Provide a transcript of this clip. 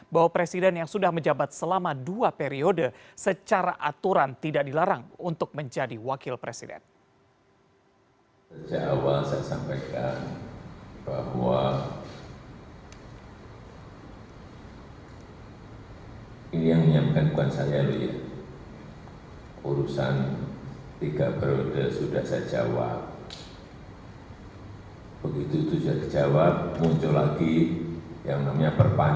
bahwa presiden yang sudah menjabat selama dua periode secara aturan tidak dilarang untuk menjadi wakil presiden